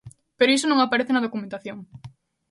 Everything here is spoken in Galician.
Pero iso non aparece na documentación.